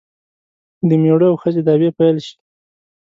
د میړه او ښځې دعوې پیل شي.